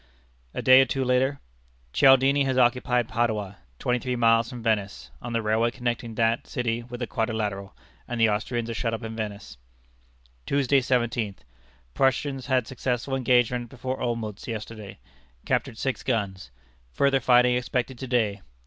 A day or two later: "Cialdini has occupied Padua, twenty three miles from Venice, on the railway connecting that city with the Quadrilateral, and the Austrians are shut up in Venice." "Tuesday, 17th. Prussians had successful engagement before Olmütz yesterday; captured six guns. Further fighting expected to day.